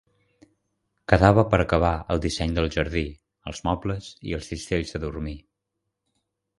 Quedava per acabar el disseny del jardí, els mobles i els cistells de dormir.